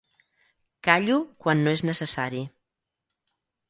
Callo quan no és necessari.